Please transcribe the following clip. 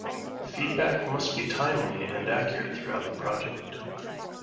Feedback must be timely and accurate throughout the project.